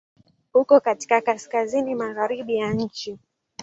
Uko katika kaskazini-magharibi ya nchi.